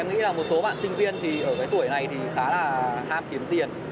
tôi nghĩ là một số bạn sinh viên thì ở cái tuổi này thì khá là ham kiếm tiền